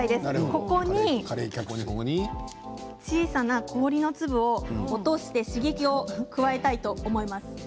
ここに小さな氷の粒を落として刺激を加えたいと思います。